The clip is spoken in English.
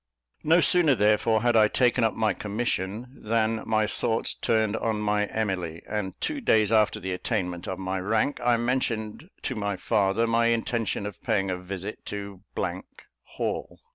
No sooner, therefore, had I taken up my commission, than my thoughts turned on my Emily; and two days after the attainment of my rank, I mentioned to my father my intention of paying a visit to Hall.